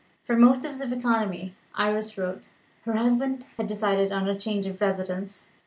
From motives of economy (Iris wrote) her husband had decided on a change of residence.